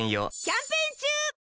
キャンペーン中！